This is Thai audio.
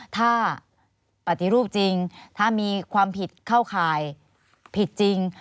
ถ้าปฏิรูปจริงถ้ามีความผิดเข้าข่ายผิดจริง